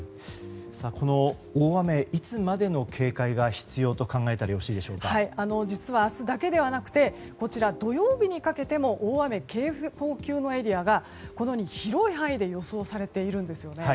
この大雨いつまでの警戒が必要と実は明日だけではなくてこちら土曜日にかけても大雨警報級のエリアが広い範囲で予想されているんですね。